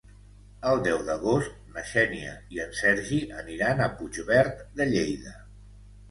El deu d'agost na Xènia i en Sergi aniran a Puigverd de Lleida.